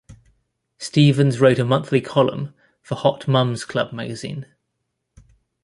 Stevens wrote a monthly column for "Hot Mom's Club" magazine.